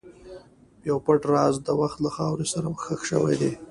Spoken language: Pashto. یو پټ راز د وخت له خاورې سره ښخ شوی دی.